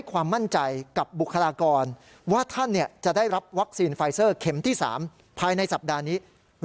กับบุคลากรว่าท่านจะได้รับวัคซีนไฟเซอร์เข็มที่๓ภายในสัปดาห์นี้๑๐๐